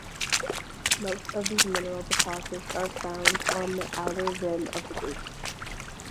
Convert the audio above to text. Most of these mineral deposits are found on the outer rim of the basin.